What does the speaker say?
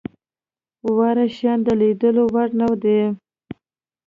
واړه شيان د ليدلو وړ نه دي.